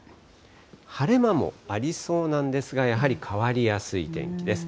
晴れ間もありそうなんですが、やはり変わりやすい天気です。